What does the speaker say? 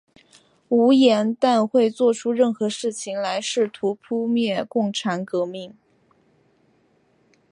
吴廷琰会作出任何事情来试图扑灭共产革命。